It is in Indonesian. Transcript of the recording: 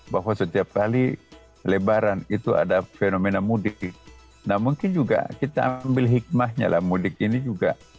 jadi lebaran itu ada fenomena mudik nah mungkin juga kita ambil hikmahnya lah mudik ini juga